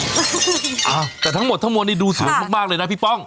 อ้าวแต่ทั้งหมดทั้งมวลนี่ดูสวยมากเลยนะพี่ป้อง